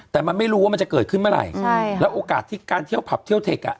แต่มันไม่รู้ว่ามันจะเกิดขึ้นเมื่อไหร่ใช่แล้วโอกาสที่การเที่ยวผับเที่ยวเทคอ่ะ